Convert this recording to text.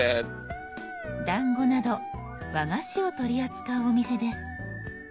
団子など和菓子を取り扱うお店です。